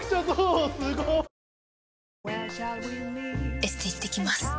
エステ行ってきます。